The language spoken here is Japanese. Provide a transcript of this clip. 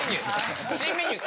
新メニュー。